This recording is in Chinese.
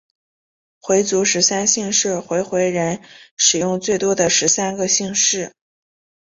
回族十三姓是回回人使用最多的十三个姓氏。